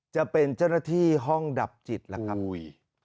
จะเป็นเจ้าหน้าที่ห้องดับจิตล่ะครับ